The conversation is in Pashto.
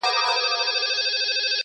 o موږ د تاوان په کار کي یکایک ده ګټه کړې.